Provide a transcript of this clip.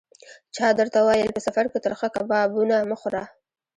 چا درته ویل: په سفر کې ترخه کبابونه مه خوره.